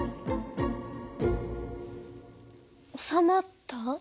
おさまった？